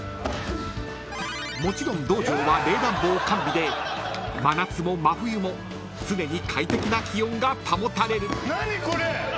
［もちろん道場は冷暖房完備で真夏も真冬も常に快適な気温が保たれる］